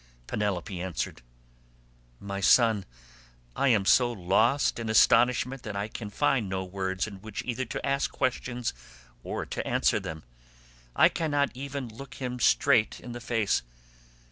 Penelope answered, "My son, I am so lost in astonishment that I can find no words in which either to ask questions or to answer them. I cannot even look him straight in the face.